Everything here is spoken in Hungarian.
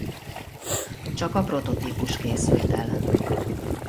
Csak a prototípus készült el.